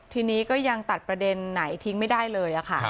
ทีนี้ก็ยังตัดประเด็นไหนทิ้งไม่ได้เลยค่ะ